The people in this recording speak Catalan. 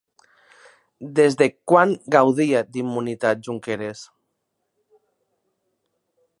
Des de quan gaudia d'immunitat Junqueras?